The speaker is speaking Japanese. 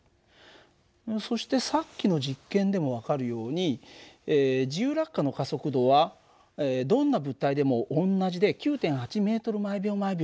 そしてさっきの実験でも分かるように自由落下の加速度はどんな物体でも同じで９．８ｍ／ｓになるんだ。